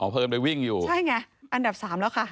เพลินไปวิ่งอยู่ใช่ไงอันดับสามแล้วค่ะ